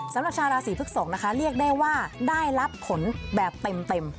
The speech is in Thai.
สำหรับชาวราศีพฤกษกนะคะเรียกได้ว่าได้รับผลแบบเต็ม